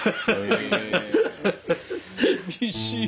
え厳しい。